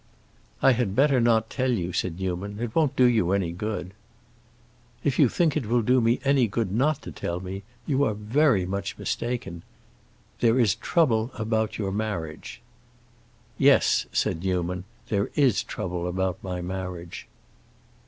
"I had better not tell you," said Newman. "It won't do you any good." "If you think it will do me any good not to tell me, you are very much mistaken. There is trouble about your marriage." "Yes," said Newman. "There is trouble about my marriage."